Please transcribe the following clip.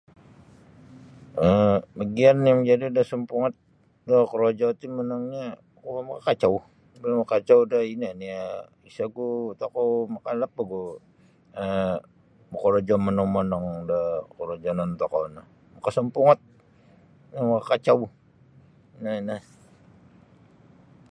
um Bagian yang majadi da sampungot korojo ti monongnyo kuo maka kacau maka kacau da ino nio isa ogu tokou makalap ogu bakorojo monong-monong da korojonon tokou no maka sampungot maka kacau ino na.